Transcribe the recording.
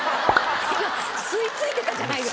今吸いついてたじゃないですか。